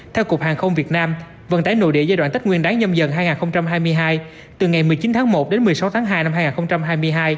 theo cục hàng không việt nam vận tải nội địa giai đoạn tích nguyên đáng nhâm dần hai nghìn hai mươi hai từ ngày một mươi chín tháng một đến một mươi sáu tháng hai năm hai nghìn hai mươi hai